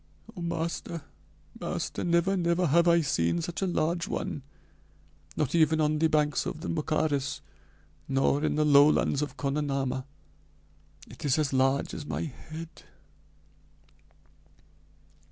"Oh, master, never never have I seen such a large one not even on the banks of the Mocaris nor in the lowlands of Konanama. It is as large as my head